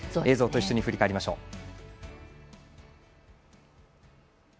映像と一緒に振り返りましょう。